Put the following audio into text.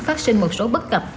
phát sinh một số bất cập